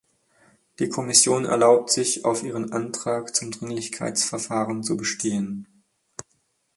Die Kommission erlaubt sich, auf ihrem Antrag zum Dringlichkeitsverfahren zu bestehen.